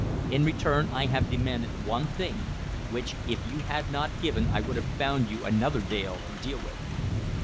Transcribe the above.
In return I have demanded one thing, which if you had not given I would have found you another Dale to deal with."